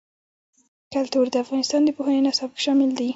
کلتور د افغانستان د پوهنې نصاب کې شامل دي.